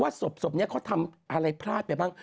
ศพนี้เขาทำอะไรพลาดไปบ้าง